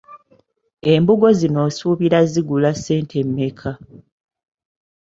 Embugo zino osuubira zigula ssente mmeka?